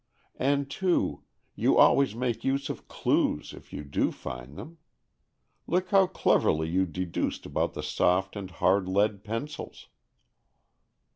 "And, too, you always make use of 'clues' if you do find them. Look how cleverly you deduced about the soft and hard lead pencils."